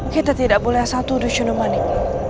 kita tidak boleh asal tuduh cundomanik